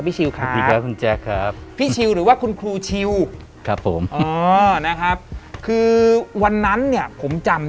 ไม่แนะนำ